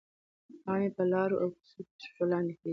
پاڼې په لارو او کوڅو کې تر پښو لاندې کېږي.